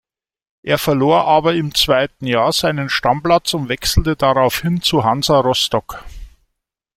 Er verlor aber im zweiten Jahr seinen Stammplatz und wechselte daraufhin zu Hansa Rostock.